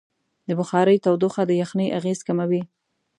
د بخارۍ تودوخه د یخنۍ اغېز کموي.